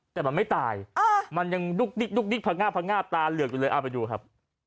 แต่มันไม่ตายมันยังดุ๊กดิ๊กพงาบพงาบตาเหลือกอยู่เลยเอาไปดูครับ